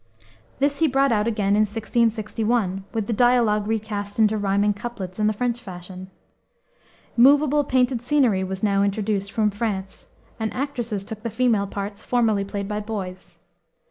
This he brought out again in 1661, with the dialogue recast into riming couplets in the French fashion. Movable painted scenery was now introduced from France, and actresses took the female parts formerly played by boys.